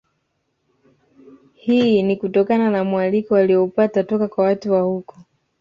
Hii ni kutokana na mualiko walioupata toka kwa watu wa huko